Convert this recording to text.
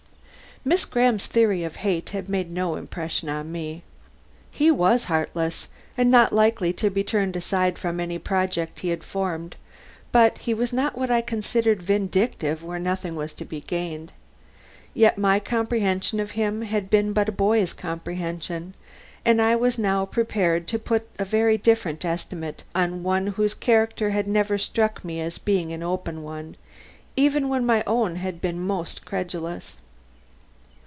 Miss Graham's theory of hate had made no impression on me. He was heartless and not likely to be turned aside from any project he had formed, but he was not what I considered vindictive where nothing was to be gained. Yet my comprehension of him had been but a boy's comprehension, and I was now prepared to put a very different estimate on one whose character had never struck me as being an open one, even when my own had been most credulous.